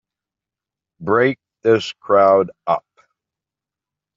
Break this crowd up!